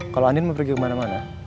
kalau andin mau pergi kemana mana